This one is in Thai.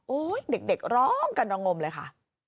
โอ้ยเด็กร้องกันลงมเลยค่ะ